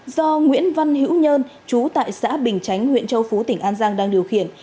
do nguyễn văn hữu nhân chú tại xã bình chánh huyện châu phú tỉnh an giang đang điều khiển